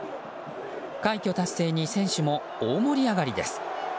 快挙達成に選手も大盛り上がりです。